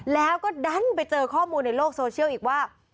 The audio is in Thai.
แล้วก็ดันไปเจอข้อมูลในโลกโซเชียลอีกว่า